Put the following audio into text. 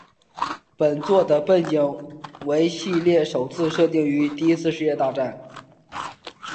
本作的背景为系列首次设定于第一次世界大战。